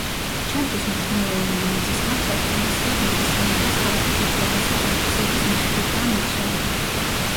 ჩემთვის მნიშვნელოვანი მაინც ის გახლავთ, რომ ეს საბნები სენეკას ხალხის უძველესი ტრადიციების მიხედვითაა მოქსოვილი.